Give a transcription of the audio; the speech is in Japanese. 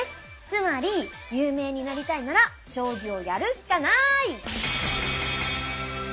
つまり有名になりたいなら将棋をやるしかない！